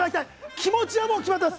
気持ちはもう決まってます。